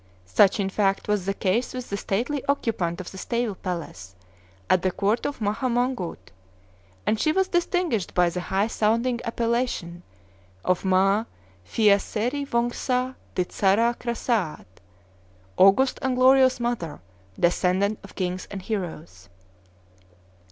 Such, in fact, was the case with the stately occupant of the stable palace at the court of Maha Mongkut; and she was distinguished by the high sounding appellation of Mââ Phya Seri Wongsah Ditsarah Krasâat, "August and Glorious Mother, Descendant of Kings and Heroes."